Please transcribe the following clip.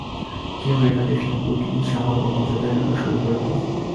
কেউ এটা দেখলে, পুলিশ আমার ওপর নজরদারি রাখা শুরু করে দেবে।